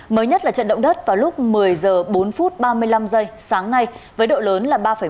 mới nhất là trận động đất vào lúc một mươi h bốn ba mươi năm sáng nay với độ lớn ba một